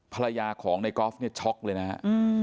ภรรยาของนายก๊อฟที่ช็อกเลยนะครับ